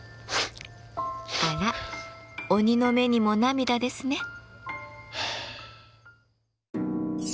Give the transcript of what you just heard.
あら「鬼の目にも涙」ですね。